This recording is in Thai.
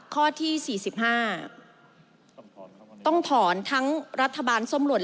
ข้อที่สี่สิบห้าต้องผ่อนทั้งรัฐบาลส้มหล่น